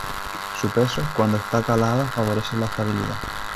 Su peso, cuando está calada, favorece la estabilidad.